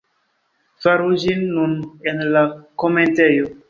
Faru ĝin nun en la komentejo